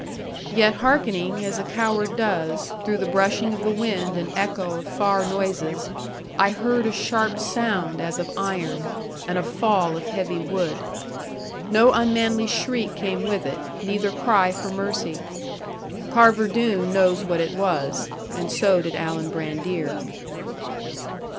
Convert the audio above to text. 'Yet hearkening, as a coward does, through the brushing of the wind, and echo of far noises, I heard a sharp sound as of iron, and a fall of heavy wood. No unmanly shriek came with it, neither cry for mercy. Carver Doone knows what it was; and so did Alan Brandir.'